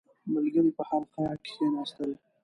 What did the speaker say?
• ملګري په حلقه کښېناستل.